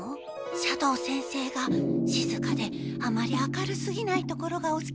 斜堂先生がしずかであまり明るすぎないところがおすきなので。